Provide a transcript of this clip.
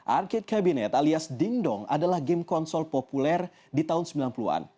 arcade cabinet alias dingdong adalah game konsol populer di tahun sembilan puluh an